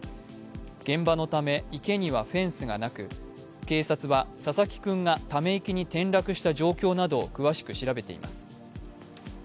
現場のため池にはフェンスがなく、警察は佐々木君がため池に転落した状況などを詳しく調べています。